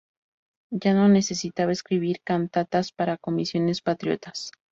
Ya no necesitaba escribir cantatas para comisiones patrióticas.